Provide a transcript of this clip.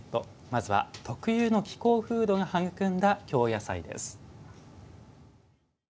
まずは「特有の気候風土が育んだ京野菜」です。